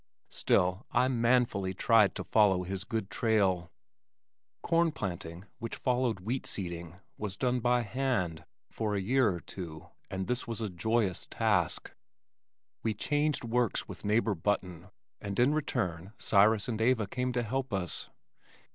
Still, I manfully tried to follow his good trail. Corn planting, which followed wheat seeding, was done by hand, for a year or two, and this was a joyous task. We "changed works" with neighbor Button, and in return Cyrus and Eva came to help us.